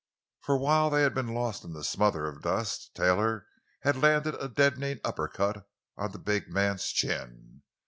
For while they had been lost in the smother of dust, Taylor had landed a deadening uppercut on the big man's chin.